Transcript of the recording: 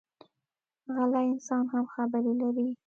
غلی انسان هم خبرې لري